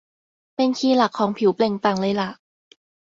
เป็นคีย์หลักของผิวเปล่งปลั่งเลยล่ะ